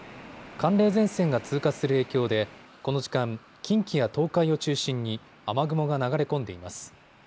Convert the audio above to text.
寒冷前線が通過する影響でこの時間、近畿や東海を中心に雨雲が流れ込んでいます。